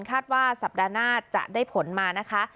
คาดว่าสัปดาห์หน้าจะได้ผลมานะคะ